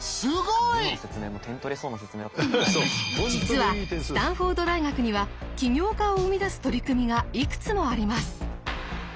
実はスタンフォード大学には起業家を生み出す取り組みがいくつもあります。